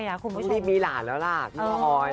ต้องรีบมีหลานแล้วล่ะคุณออย